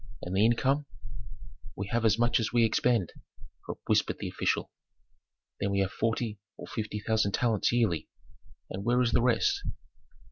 "And the income?" "We have as much as we expend," whispered the official. "Then we have forty or fifty thousand talents yearly. And where is the rest?"